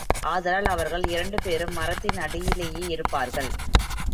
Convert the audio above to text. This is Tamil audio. ஆதலால், அவர்கள் இரண்டு பேரும் மரத்தின் அடியிலேயே இருப்பார்கள்.